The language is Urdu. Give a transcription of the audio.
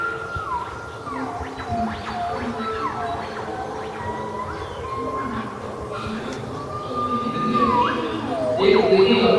مجھے پہلے ہی ورزش کرنے کی عادت نہیں ہے۔